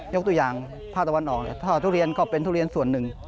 ยกตัวอย่างภาคตะวันออกถ้าทุเรียนก็เป็นทุเรียนส่วนหนึ่ง